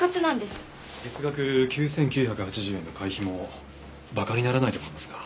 月額９９８０円の会費も馬鹿にならないと思いますが。